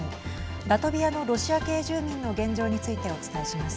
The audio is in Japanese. ラトビアのロシア系住民の現状についてお伝えします。